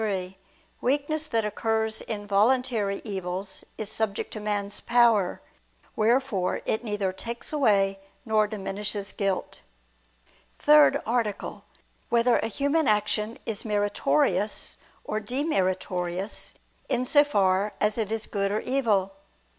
3: Weakness that occurs in voluntary evils, is subject to man's power: wherefore it neither takes away nor diminishes guilt. ________________________ THIRD ARTICLE [I II, Q. 21, Art. 3] Whether a Human Action Is Meritorious or Demeritorious in So Far As It Is Good or Evil?